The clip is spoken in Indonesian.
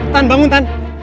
tan bangun tan